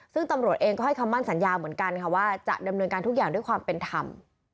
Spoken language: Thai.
ซึ่งตำรวจเองก็ให้คำมั่นสัญญาเหมือนกันค่ะว่าจะดำเนินการทุกอย่างด้วยความเป็นธรรม